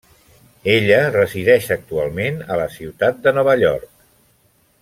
Ella resideix actualment a la ciutat de Nova York.